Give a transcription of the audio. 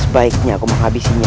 baiknya aku habiskan dia